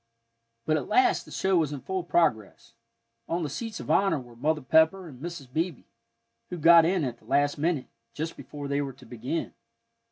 But at last the show was in full progress; on the seats of honor were Mother Pepper and Mrs. Beebe, who got in at the last minute, just before they were to begin.